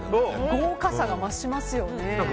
豪華さが増しますよね。